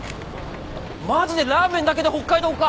マジでラーメンだけで北海道か！？